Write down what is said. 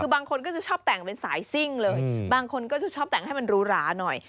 คือบางคนก็จะชอบแต่งเป็นสายซิ่งเลยบางคนก็จะชอบแต่งให้มันหรูหราหน่อย